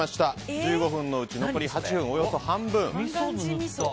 １５分のうち残り８分およそ半分。